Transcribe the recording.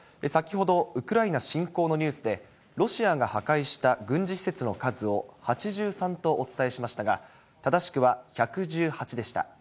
先ほど、ウクライナ侵攻のニュースで、ロシアが破壊した軍事施設の数を８３とお伝えしましたが、正しくは１１８でした。